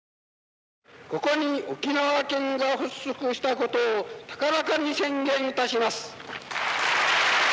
ここに沖縄県が発足したことを高らかに宣言いたします。